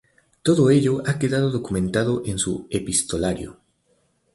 Todo ello ha quedado documentado en su "Epistolario".